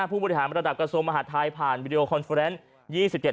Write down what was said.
ผู้บริหารระดับกระทรวงมหาดไทยผ่านวิดีโอคอนเฟอร์แลนซ์